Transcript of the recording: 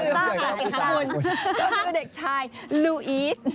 ก็คือเจ้าหนึ่งเด็กชายลูอีส